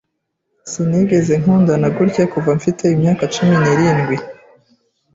Sinigeze nkundana gutya kuva mfite imyaka cumi n'irindwi.